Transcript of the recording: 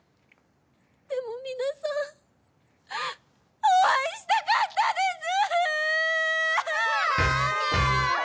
でも皆さんお会いしたかったです！